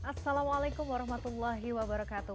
assalamualaikum warahmatullahi wabarakatuh